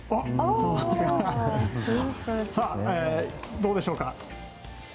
どうでしょうか。